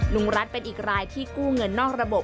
ลุงรัฐเป็นอีกรายที่กู้เงินนอกระบบ